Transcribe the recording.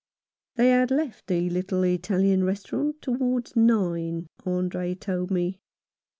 They had left the little Italian restaurant towards nine, Andre told me.